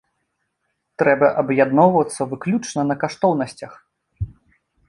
Трэба аб'ядноўвацца выключна на каштоўнасцях.